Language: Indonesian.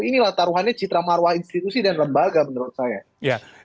inilah taruhannya citra marwah institusi dan lembaga menurut saya